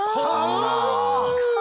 あ！